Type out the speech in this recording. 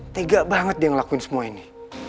tega banget dia ngelakuin semua ini